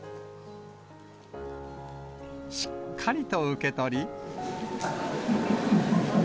しっかりと受け取り。